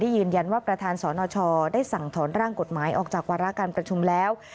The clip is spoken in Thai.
ยืนยันว่าประธานสนชได้สั่งถอนร่างกฎหมายออกจากวาระการประชุมแล้ว